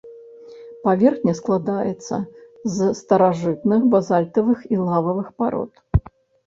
Паверхня складаецца з старажытных базальтавых і лававых парод.